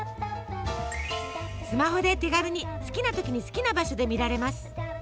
スマホで手軽に好きな時に好きな場所で見られます。